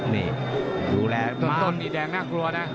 ต้นมีแดงน่ากลัวนะ